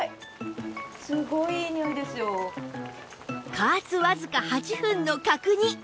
加圧わずか８分の角煮